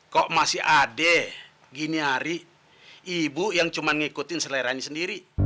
kok masih ada gini hari ibu yang cuma ngikutin selera ini sendiri